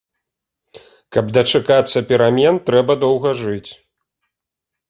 Каб дачакацца перамен, трэба доўга жыць.